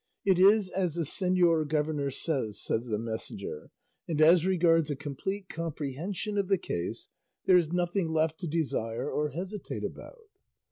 "It is as the señor governor says," said the messenger; "and as regards a complete comprehension of the case, there is nothing left to desire or hesitate about."